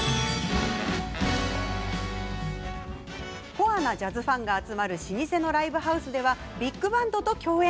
コアなジャズファンが集まる老舗のライブハウスではビッグバンドと共演。